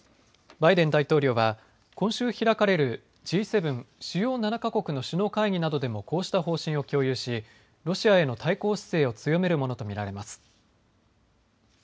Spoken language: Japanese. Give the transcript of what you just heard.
バイデン大統領は今週開かれるＧ７・主要７か国の首脳会議などでもこうした方針を共有しロシアへの対抗姿勢を強めるものと見られます。